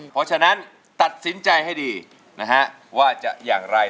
เพราะฉะนั้นตัดสินใจให้ดีนะฮะว่าจะอย่างไร